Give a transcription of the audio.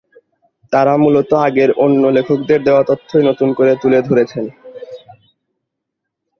তাঁরা মূলত আগের অন্য লেখকদের দেওয়া তথ্যই নতুন করে তুলে ধরেছেন।